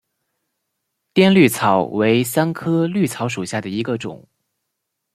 滇葎草为桑科葎草属下的一个种。